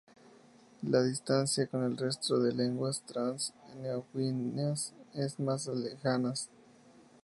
La distancia con el resto de lenguas trans-neoguineanas es más lejanas.